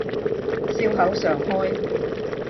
笑口常開